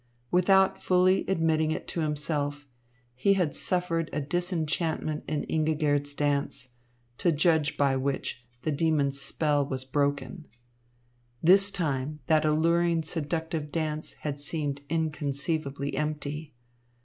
Without fully admitting it to himself, he had suffered a disenchantment in Ingigerd's dance; to judge by which, the demon's spell was broken. This time that alluring seductive dance had seemed inconceivably empty.